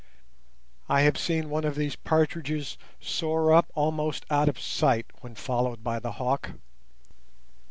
I have seen one of these partridges soar up almost out of sight when followed by the hawk.